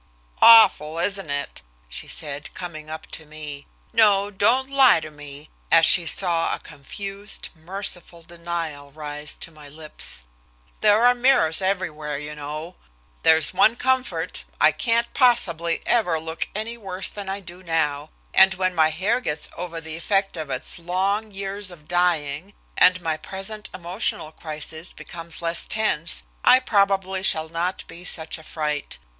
"Awful, isn't it?" she said, coming up to me. "No, don't lie to me," as she saw a confused, merciful denial rise to my lips. "There are mirrors everywhere, you know. There's one comfort, I can't possibly ever look any worse than I do now, and when my hair gets over the effect of its long years of dyeing, and my present emotional crisis becomes less tense I probably shall not be such a fright.